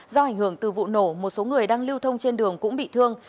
do ảnh hưởng từ vụ nổ một số người đang lưu thông trên đường cũng bị thương